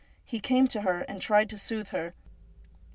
He came to her and tried to soothe her.